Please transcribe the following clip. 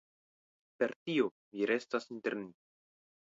Per tio vi restas inter ni".